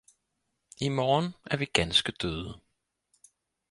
I morgen er vi ganske døde